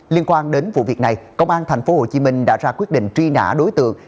liên quan đến vụ việc này công an tp hcm đã ra quyết định truy nã đối tượng